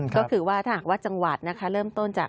ก็คือว่าถ้าหากว่าจังหวัดนะคะเริ่มต้นจาก